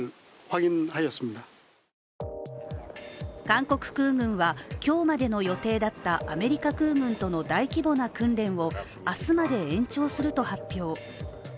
韓国空軍は、今日までの予定だったアメリカ空軍との大規模な訓練を明日まで延長すると発表。